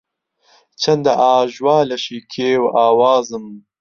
چەندە ئاژوا لەشی کێو ئاوازم